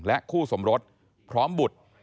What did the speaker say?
คู่สมรสพร้อมบุตร